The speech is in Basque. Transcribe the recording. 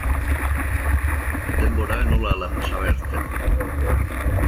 Denbora nola-hala pasa behar zen.